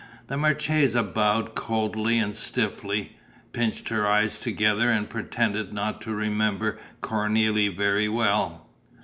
The marchesa bowed coldly and stiffly, pinched her eyes together and pretended not to remember Cornélie very well.